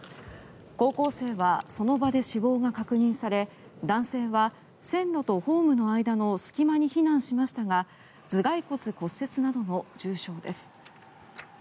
高校生はその場で死亡が確認され男性は線路とホームの間の隙間に避難しましたが頭がい骨骨折などの重傷です。